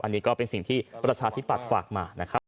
อันนี้ก็เป็นสิ่งที่ประชาธิปัตย์ฝากมานะครับ